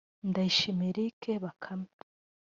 Ndayishimiye Eric “Bakame”